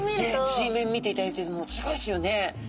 水面見ていただいてもすごいですよね。